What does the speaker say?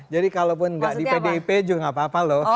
jadi kalau enggak di pdip juga enggak apa apa loh